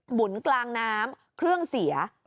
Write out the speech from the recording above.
หุนกลางน้ำเครื่องเสีย